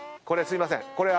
これすいません。